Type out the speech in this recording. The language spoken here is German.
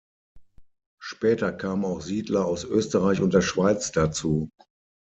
Später kamen auch Siedler aus Österreich und der Schweiz dazu.